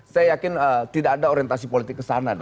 saya yakin tidak ada orientasi politik kesana